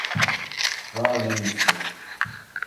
Valença